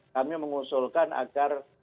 kami mengusulkan agar